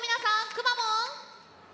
くまモン！